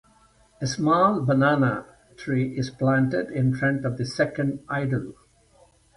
A small banana tree is planted in front of the second idol.